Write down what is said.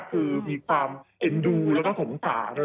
คือมีความเอ็นดูแล้วก็สมศา